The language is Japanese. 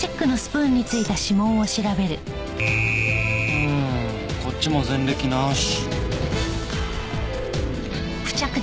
うんこっちも前歴なし。